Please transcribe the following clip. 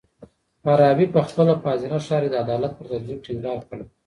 فارابي په خپل فاضله ښار کي د عدالت پر تطبيق ټينګار کړی.